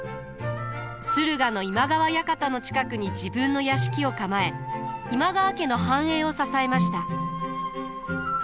駿河の今川館の近くに自分の屋敷を構え今川家の繁栄を支えました。